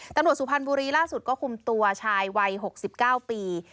สุพรรณบุรีล่าสุดก็คุมตัวชายวัย๖๙ปี